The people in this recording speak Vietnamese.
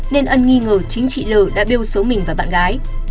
nên ân nghi ngờ chính chị l đã bêu xấu mình và bạn gái